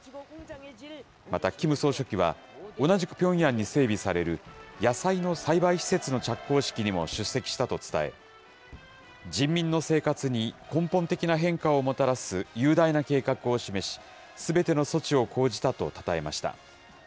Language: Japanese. またキム総書記は、同じくピョンヤンに整備される野菜の栽培施設の着工式にも出席したと伝え、人民の生活に根本的な変化をもたらす雄大な計画を示し、すべての措置を講じたとたたえました。